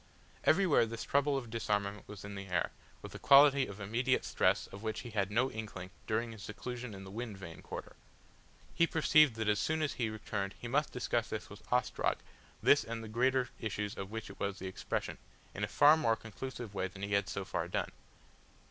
Everywhere this trouble of disarmament was in the air, with a quality of immediate stress of which he had no inkling during his seclusion in the Wind Vane quarter. He perceived that as soon as he returned he must discuss this with Ostrog, this and the greater issues of which it was the expression, in a far more conclusive way than he had so far done.